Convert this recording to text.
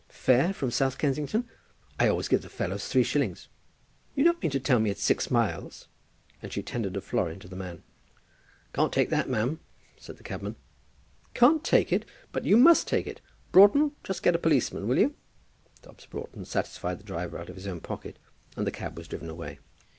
Fare from South Kensington? I always give the fellows three shillings." "You don't mean to tell me it's six miles!" And she tendered a florin to the man. "Can't take that, ma'am," said the cabman. "Can't take it! But you must take it. Broughton, just get a policeman, will you?" Dobbs Broughton satisfied the driver out of his own pocket, and the cab was driven away.